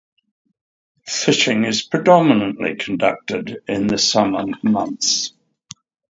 Fishing is predominately conducted in the summer months.